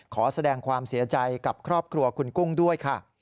ขอแสดงความเสียใจกับครอบครัวคุณกุ้งด้วยค่ะ